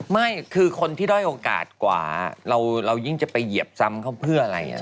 ไม่คือคนที่ด้อยโอกาสกว่าเรายิ่งจะไปเหยียบซ้ำเขาเพื่ออะไร